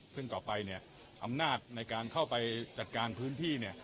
ขึ้นต่อไปอำนาจในการเข้าไปจัดการพื้นที่